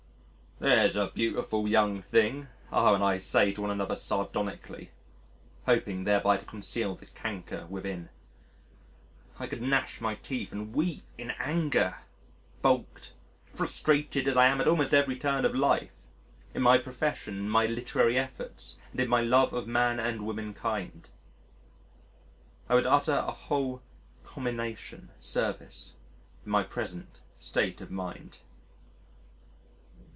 "There's a beautiful young thing," R and I say to one another sardonically, hoping thereby to conceal the canker within. I could gnash my teeth and weep in anger baulked, frustrated as I am at almost every turn of life in my profession, in my literary efforts, and in my love of man and woman kind. I would utter a whole commination service in my present state of mind.